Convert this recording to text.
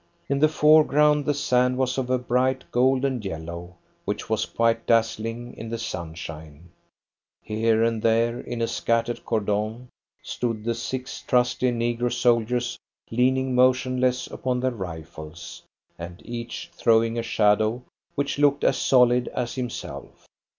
In the foreground the sand was of a bright golden yellow, which was quite dazzling in the sunshine. Here and there, in a scattered cordon, stood the six trusty negro soldiers leaning motionless upon their rifles, and each throwing a shadow which looked as solid as himself.